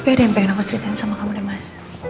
tapi ada yang pengen aku ceritain sama kamu dan mas